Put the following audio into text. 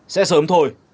sẽ sớm thôi